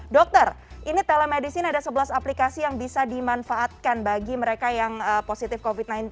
dokter ini telemedicine ada sebelas aplikasi yang bisa dimanfaatkan bagi mereka yang positif covid sembilan belas